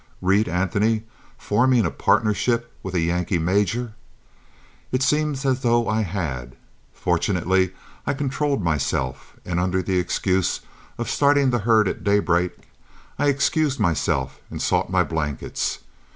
Reed Anthony forming a partnership with a Yankee major? It seemed as though I had. Fortunately I controlled myself, and under the excuse of starting the herd at daybreak, I excused myself and sought my blankets.